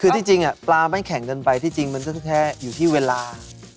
คือที่จริงปลาไม่แข็งเกินไปที่จริงมันก็แค่อยู่ที่เวลา